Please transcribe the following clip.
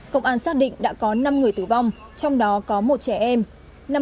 công an xác định đã có năm người tử vong trong đó có một trẻ em